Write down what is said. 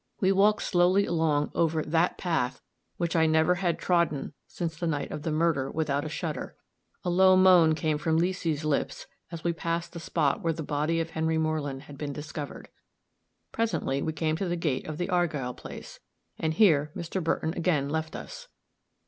We walked slowly along over that path which I never had trodden since the night of the murder without a shudder. A low moan came from Leesy's lips, as we passed the spot where the body of Henry Moreland had been discovered. Presently we came to the gate of the Argyll place, and here Mr. Burton again left us.